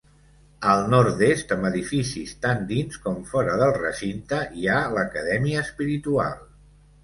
Al nord-est, amb edificis tant dins com fora del recinte, hi ha l'Acadèmia Espiritual.